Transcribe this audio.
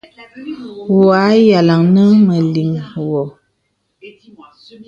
Wɔ à yàlaŋ nə mə̀ liŋ wɔ.